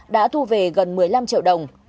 đã thu về gần một mươi năm triệu đồng